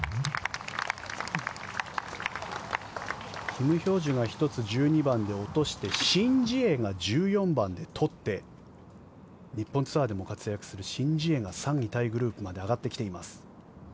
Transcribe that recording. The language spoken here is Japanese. キム・ヒョージュが１つ、１２番で落としてシン・ジエが１４番で取って日本ツアーでも活躍するシン・ジエが３位タイグループまで上がってきています。